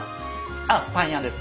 あっパン屋です。